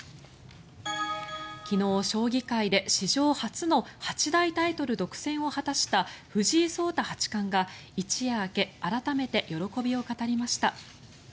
昨日、将棋界で史上初の八大タイトル独占を果たした藤井聡太八冠が一夜明け改めて喜びを語りました。